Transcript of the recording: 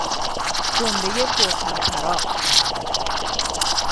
جملهُ پرطمطراق